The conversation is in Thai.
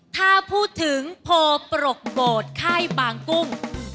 ถ้าพูดถึงโผล่ปรกโบดไข้บางกุ้ง